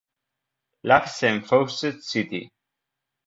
Labs en Fawcett City.